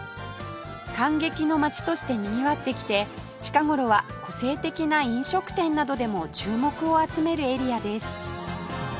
観劇の街としてにぎわってきて近頃は個性的な飲食店などでも注目を集めるエリアです